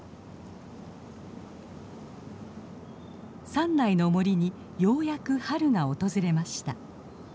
山内の森にようやく春が訪れました。